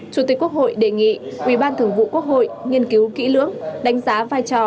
chủ tịch quốc hội đề nghị ủy ban thường vụ quốc hội nghiên cứu kỹ lưỡng đánh giá vai trò